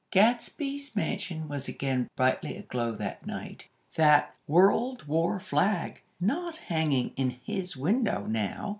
Gadsby's mansion was again brightly aglow that night, that "World War flag" not hanging in his window now.